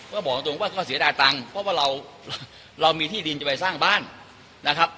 ก็บอกตรงว่าเขาเสียดายตังค์เพราะว่าเรามีที่ดินจะไปสร้างบ้านนะครับ